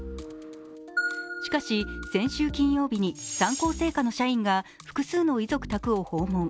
しかし、先週金曜日に三幸製菓の社員が複数の遺族宅を訪問。